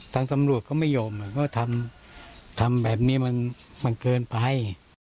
ทางตำรวจเขาไม่ยอมก็ทำแบบนี้มันเกินไป